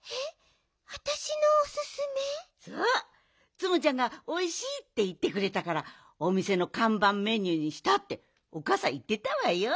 「ツムちゃんが『おいしい』っていってくれたからおみせのかんばんメニューにした」っておかあさんいってたわよ。